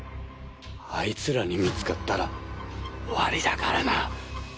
あいつらに見つかったら終わりだからな。